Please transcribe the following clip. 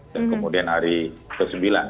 kemudian hari ke sembilan